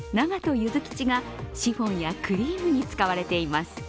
ゆずきちがシフォンやクリームに使われています。